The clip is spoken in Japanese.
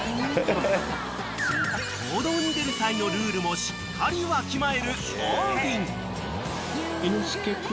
［公道に出る際のルールもしっかりわきまえるオーディン］